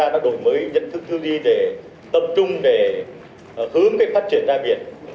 để hướng phát triển ra biển